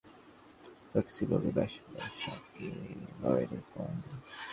এলাকাবাসী সূত্রে জানা গেছে, মোমেনখার হাটের একটি দোকানে ফ্লেক্সিলোডের ব্যবসা করে খোকন।